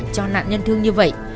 cho nạn nhân thương như vậy